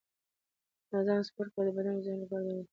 منظم سپورت کول د بدن او ذهن لپاره دواړه ګټور دي